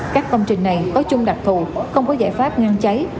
các công trình này có chung đặc thù không có giải pháp ngăn cháy